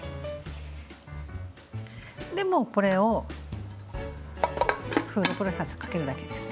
でもうこれをフードプロセッサーにかけるだけです。